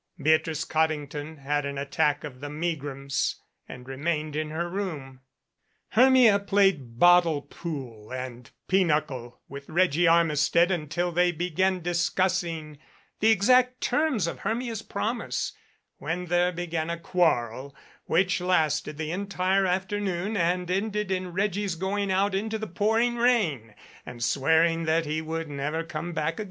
Beatrice Codding ton had an attack of the megrims and remained in her room. Hermia played bottle pool and pinochle with Reggie Armistead until they began discussing the exact terms of Hermia's promise when there began a quarrel which lasted the entire afternoon and ended in Reggie's going out into the pouring rain and swearing that he would never come back.